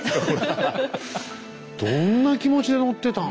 どんな気持ちで乗ってた。